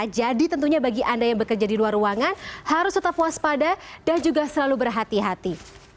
tentunya bagi anda yang bekerja di luar ruangan harus tetap waspada dan juga selalu berhati hati